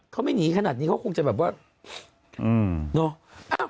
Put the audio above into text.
เขาไม่หนีขนาดนี้เขาคงจะแบบว่าเนอะ